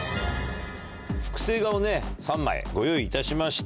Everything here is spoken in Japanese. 複製画をね３枚ご用意いたしました。